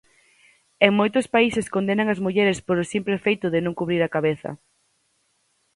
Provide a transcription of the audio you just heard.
En moitos países condenan as mulleres polo simple feito de non cubrir a cabeza.